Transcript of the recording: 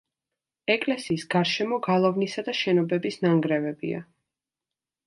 ეკლესიის გარშემო გალავნისა და შენობების ნანგრევებია.